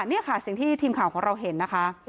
นี่ค่ะสิ่งที่ทีมข่าวของเราเห็นนะคะ